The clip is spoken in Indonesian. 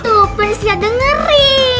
tuh princess agak ngeri